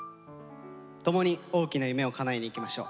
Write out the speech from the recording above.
共に大きな夢をかなえにいきましょう。